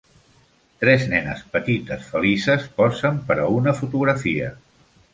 Tres nenes petites felices posen per a una fotografia.